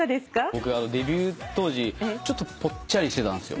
僕デビュー当時ちょっとぽっちゃりしてたんですよ。